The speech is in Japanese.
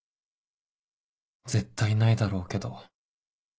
絶対ないだろうけど